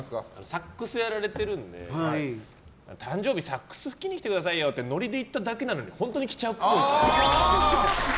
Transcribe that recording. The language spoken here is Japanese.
サックスやられているので誕生日サックス吹きに来てくださいよってノリで言っただけなのに本当に来ちゃうっぽい。